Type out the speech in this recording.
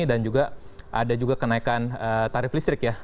dan juga ada juga kenaikan tarif listrik ya